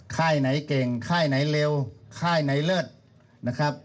ค่ายไหนเก่งค่ายไหนเร็วค่ายไหนเลิศนะครับ